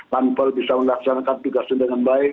panpel bisa melaksanakan tugasnya dengan baik